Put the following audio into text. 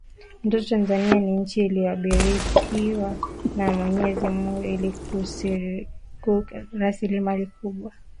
mtoto tanzania ni nchi ilioyobarikiwa na mwenyezi mungu ina rasilimali kubwa